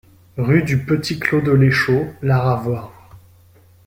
Rue du Petit Clos de l'Échaud, La Ravoire